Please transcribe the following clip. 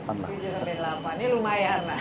tujuh sampai delapan ini lumayan lah